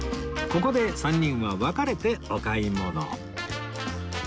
ここで３人は別れてお買い物